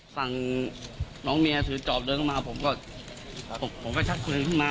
ฝั่งน้องเมียถือจอบเดินเข้ามาผมก็ผมก็ชักปืนขึ้นมา